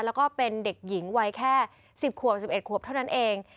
แล้วก็เป็นเด็กหญิงวัยแค่๑๐ขวบ๑๑ขวบเท่านั้นเอง